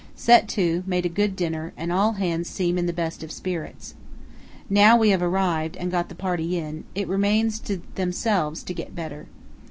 Set to, made a good dinner, and all hands seem in the best of spirits. Now we have arrived and got the party in, it remains to themselves to get better.